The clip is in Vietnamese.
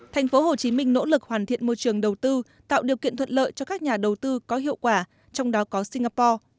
thành phố hồ chí minh nỗ lực hoàn thiện môi trường đầu tư tạo điều kiện thuận lợi cho các nhà đầu tư có hiệu quả trong đó có singapore